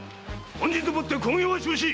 本日をもって興行は中止！